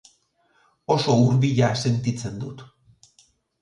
Oso hurbila sentitzen dut.